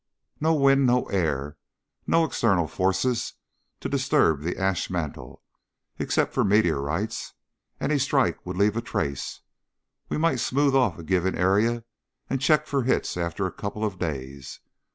"No wind, no air, no external forces to disturb the ash mantle, except for meteorites. Any strike would leave a trace. We might smooth off a given area and check for hits after a couple of days.